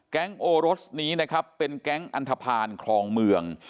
โอรสนี้นะครับเป็นแก๊งอันทภาณคลองเมือง